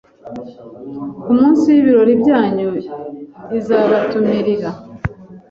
ku munsi w’ibirori byanyu izabatumirira